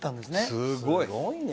すごいね。